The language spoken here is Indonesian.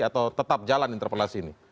atau tetap jalan interpelasi ini